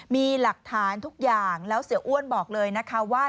มีหลักฐานทุกอย่างแล้วเสียอ้วนบอกเลยนะคะว่า